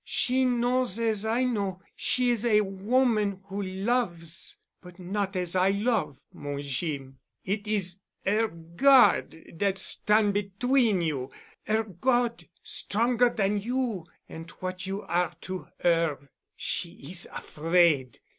She knows as I know—she is a woman who loves—but not as I love, mon Jeem. It is 'er God dat stan' between you, 'er God—stronger dan you and what you are to 'er. She is afraid.